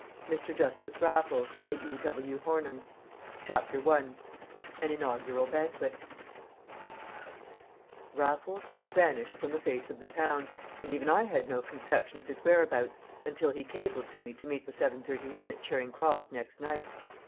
Apologia Mr. Justice Raffles CHAPTER I An Inaugural Banquet Raffles had vanished from the face of the town, and even I had no conception of his whereabouts until he cabled to me to meet the 7.31 at Charing Cross next night.